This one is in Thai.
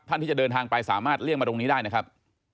ที่จะเดินทางไปสามารถเลี่ยงมาตรงนี้ได้นะครับ